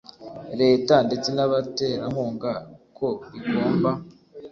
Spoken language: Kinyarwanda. Leta ndetse n abaterankunga ko rigomba